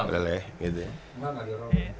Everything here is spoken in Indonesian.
boleh lah bang